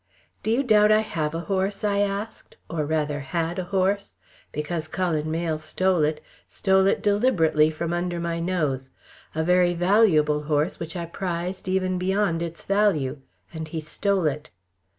"Do you doubt I have a horse?" I asked. "Or rather had a horse? Because Cullen Mayle stole it, stole it deliberately from under my nose a very valuable horse which I prized even beyond its value and he stole it."